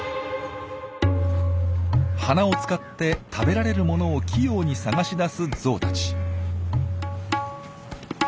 鼻を使って食べられる物を器用に探し出すゾウたち。